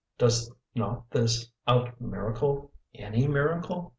Does not this out miracle any miracle?